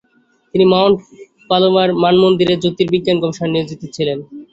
তিনি Mount Palomar মানমন্দিরে জ্যোতির্বিজ্ঞান গবেষণায় নিয়োজিত ছিলেন।